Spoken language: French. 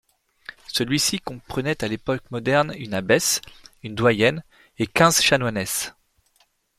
Celui-ci comprenait à l’époque moderne une abbesse, une doyenne et quinze chanoinesses.